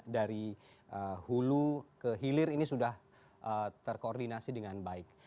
dari hulu ke hilir ini sudah terkoordinasi dengan baik